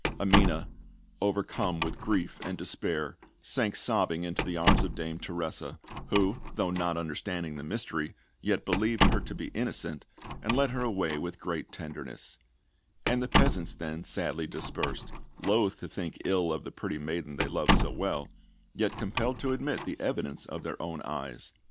Amina, overcome with grief and despair, sank sobbing into the arms of Dame Teresa, who, though not understanding the mystery, yet believed her to be innocent, and led her away with great tenderness; and the peasants then sadly dispersed, loath to think ill of the pretty maiden they loved so well, yet compelled to admit the evidence of their own eyes.